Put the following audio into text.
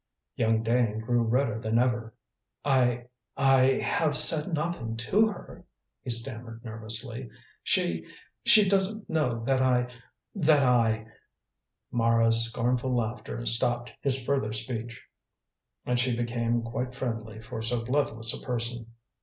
Young Dane grew redder than ever. "I I have said nothing to her," he stammered nervously. "She she doesn't know that I that I " Mara's scornful laughter stopped his further speech, and she became quite friendly for so bloodless a person.